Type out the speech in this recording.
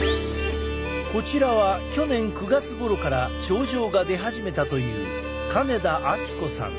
こちらは去年９月ごろから症状が出始めたという金田明子さん